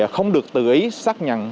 không được tự ý xác nhận